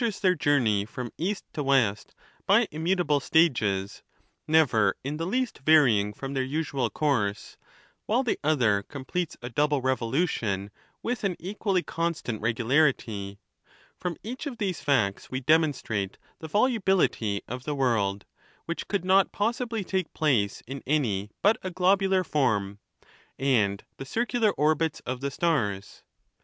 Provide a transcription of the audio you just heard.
273 which measure their journey from east to west by immu table stages, never in the least varying from their usual course, while the other completes a double revolution with an equally constant regularity; from each of these facts we demonstrate the volubility of the world (which could not possibly take place in any but a globular form) and the circular orbits of the stars.